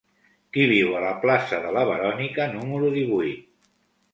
Qui viu a la plaça de la Verònica número divuit?